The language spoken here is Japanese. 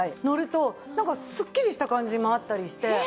のるとなんかすっきりした感じもあったりして。